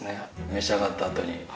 召し上がった後に。